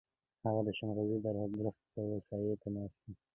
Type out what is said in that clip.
هغه د شينغزي د درختې و سايه ته ناست دی.